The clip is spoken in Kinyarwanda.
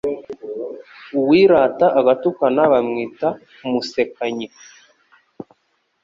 Uwirata agatukana bamwita «umusekanyi»